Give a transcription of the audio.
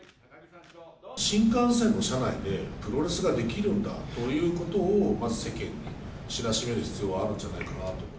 新幹線の車内でプロレスができるんだということを、まず世間に知らしめる必要があるんじゃないかなと。